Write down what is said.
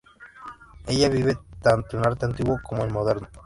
Ella vive tanto el arte antiguo, como el moderno.